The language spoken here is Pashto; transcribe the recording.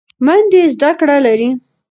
میندې زده کړه لري.